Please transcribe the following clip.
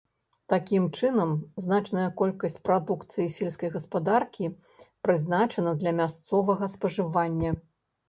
Такім чынам, значная колькасць прадукцыі сельскай гаспадаркі прызначана для мясцовага спажывання.